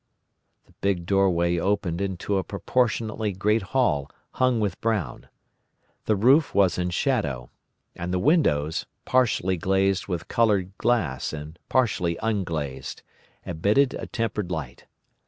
"The big doorway opened into a proportionately great hall hung with brown. The roof was in shadow, and the windows, partially glazed with coloured glass and partially unglazed, admitted a tempered light.